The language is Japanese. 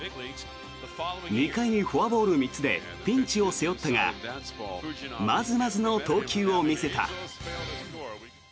２回にフォアボール３つでピンチを背負ったがまずまずの投球を見せた。